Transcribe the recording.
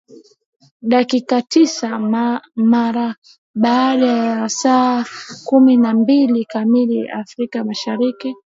dakika tisa mara baada ya saa kumi na mbili kamili afrika mashariki